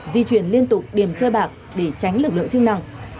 di chuyển liên tục điểm chơi bạc để tránh lực lượng chức năng